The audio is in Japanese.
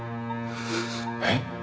えっ？